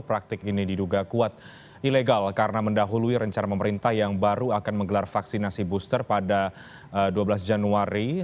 praktik ini diduga kuat ilegal karena mendahului rencana pemerintah yang baru akan menggelar vaksinasi booster pada dua belas januari